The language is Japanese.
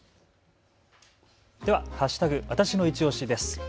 では＃わたしのいちオシです。